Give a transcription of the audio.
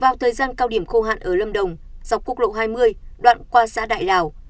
vào thời gian cao điểm khô hạn ở lâm đồng dọc quốc lộ hai mươi đoạn qua xã đại lào